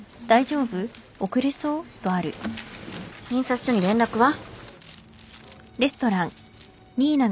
印刷所に連絡は？